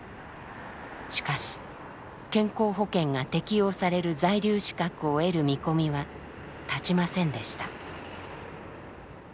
しかし健康保険が適用される在留資格を得る見込みは立ちませんでした。